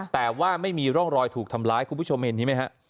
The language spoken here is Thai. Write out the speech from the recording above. แต่ว่าไม่มีร่องรอยถูกทำร้ายคุณผู้ชมเห็นนี้ไหมฮะ